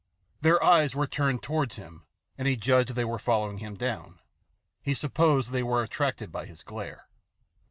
Their eyes were turned towards him, and he judged they were following him down. He supposed they were attracted by his glare.